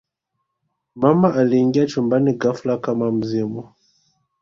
mama aliingia chumbani ghafla kama mzimu